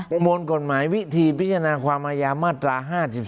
มวลกฎหมายวิธีพิจารณาความอายามาตรา๕๔